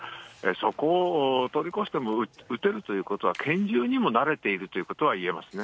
そこを通り越しても撃てるということは、拳銃にも慣れているということはいえますね。